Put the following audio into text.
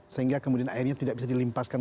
sehingga kemudian airnya tidak bisa dilimpaskan